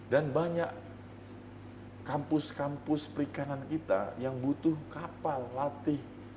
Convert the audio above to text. dan banyak kampus kampus perikanan kita yang butuh kapal latih